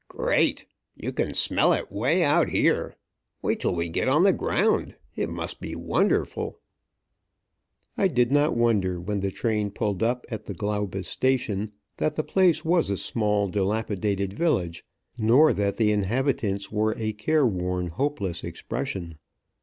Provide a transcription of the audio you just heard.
"Great! You can smell it way out here! Wait till we get on the ground! It must be wonderful!" I did not wonder, when the train pulled up at the Glaubus Station, that the place was a small, dilapidated village, nor that the inhabitants wore a care worn, hopeless expression.